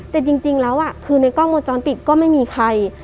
แต่จริงแล้วคือในกล้องวงจรปิดก็ไม่มีใคร